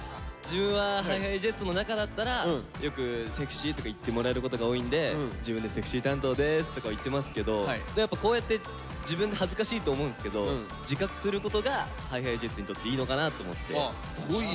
自分はＨｉＨｉＪｅｔｓの中だったらよく「セクシー」とか言ってもらえることが多いんで自分で「セクシー担当です」とかは言ってますけどこうやって自分で恥ずかしいと思うんですけど自覚することがＨｉＨｉＪｅｔｓにとっていいのかなと思ってやってますね。